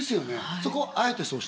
そこはあえてそうしてる？